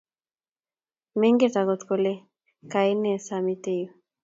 Mengen agot kole kaine samite yu